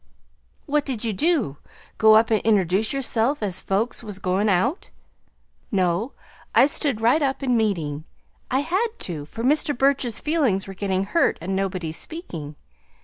"What did you do go up and introduce yourself as folks was goin' out?" "No; I stood right up in meeting. I had to, for Mr. Burch's feelings were getting hurt at nobody's speaking.